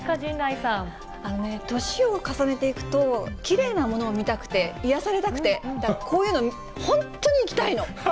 年を重ねていくと、きれいなものを見たくて、癒やされたくて、だからこういうの、本当に行きたいの。